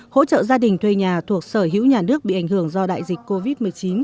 hỗ trợ gia đình thuê nhà thuộc sở hữu nhà nước bị ảnh hưởng do đại dịch covid một mươi chín